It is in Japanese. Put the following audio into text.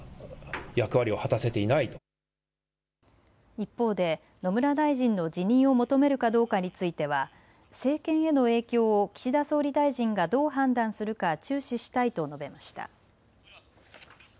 一方で野村大臣の辞任を求めるかどうかについては政権への影響を岸田総理大臣がどう判断するか注視したいと述べました。